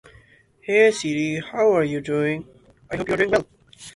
Another criticism often raised against conceptual semantics is that it is arbitrary.